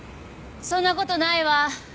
そんなことないわ。